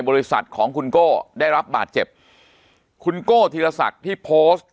บริษัทของคุณโก้ได้รับบาดเจ็บคุณโก้ธีรศักดิ์ที่โพสต์